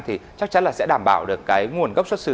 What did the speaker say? thì chắc chắn là sẽ đảm bảo được cái nguồn gốc xuất xứ